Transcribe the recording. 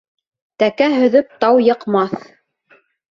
Тәкә һөҙөп тау йыҡмаҫ.